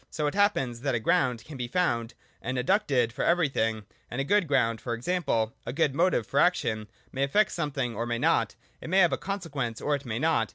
So it happens that a ground can be found and adduced for everything : and a good ground (for example, a good motive for action) may effect some thing or may not, it may have a consequence or it may not.